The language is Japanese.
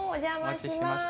お待ちしてました。